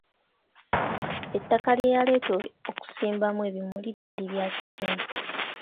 Ettaka lye yaleeta okusimbamu ebimuli lyali lya kisenyi.